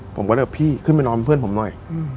ผมก็เลยบอกพี่ขึ้นไปนอนเพื่อนผมหน่อย